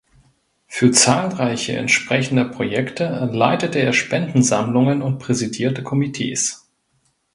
Für zahlreiche entsprechender Projekte leitete er Spendensammlungen und präsidierte Komitees.